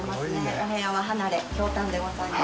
お部屋は、離れ「瓢箪」でございます。